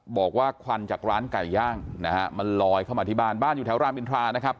ควันจากร้านไก่ย่างนะฮะมันลอยเข้ามาที่บ้านบ้านอยู่แถวรามอินทรานะครับ